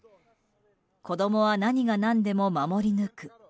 子供は何が何でも守り抜く。